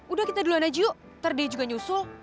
udah kita duluan aja yuk ntar day juga nyusul